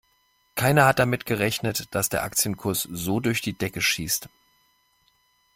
Keiner hat damit gerechnet, dass der Aktienkurs so durch die Decke schießt.